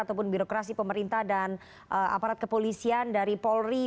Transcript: ataupun birokrasi pemerintah dan aparat kepolisian dari polri